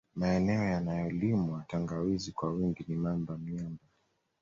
Maeneneo yanayolimwa tangawizi kwa wingi ni Mamba Myamba